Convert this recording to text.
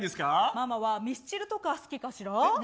ママはミスチルとか好きかしら。